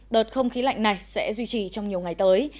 đợt không khí lạnh này sẽ duy trì trong nhiều ngày tới